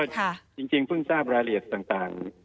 ค่ะแล้วก็จริงเพิ่งทราบรายละเอียดต่าง